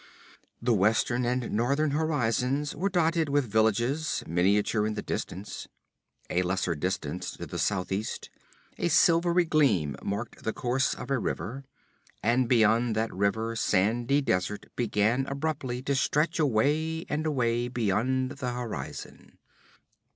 The western and northern horizons were dotted with villages, miniature in the distance. A lesser distance to the southeast a silvery gleam marked the course of a river, and beyond that river sandy desert began abruptly to stretch away and away beyond the horizon.